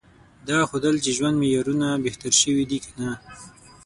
دا ښودل چې ژوند معیارونه بهتر شوي دي که نه؟